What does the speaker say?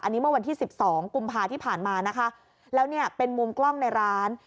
อันนี้เมื่อวันที่สิบสองกุมภาที่ผ่านมานะคะแล้วเนี่ยเป็นมุมกล้องในร้าน